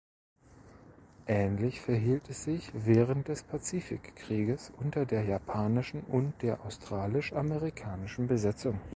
Ähnlich verhielt es sich während des Pazifikkrieges unter der japanischen und der australisch-amerikanischen Besatzung.